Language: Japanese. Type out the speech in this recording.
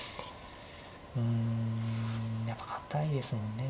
うんやっぱ堅いですもんね